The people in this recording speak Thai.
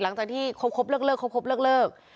หลังจากที่ควบเดิมซักเดือนแล้ว